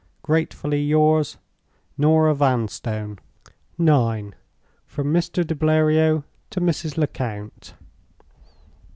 "Gratefully yours, "NORAH VANSTONE." IX. From Mr. de Bleriot to Mrs. Lecount.